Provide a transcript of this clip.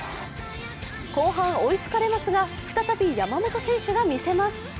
後半、追いつかれますが再び山本選手が見せます。